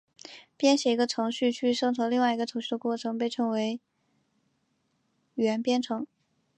编写一个程序去生成另外一个程序的过程被称之为元编程。